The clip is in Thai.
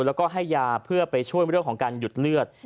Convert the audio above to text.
แล้วก็ให้ยาเพื่อไปช่วยเรื่องของการหยุดเลือด